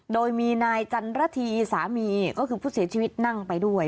โดยมีนายจันระธีสามีก็คือผู้เสียชีวิตนั่งไปด้วย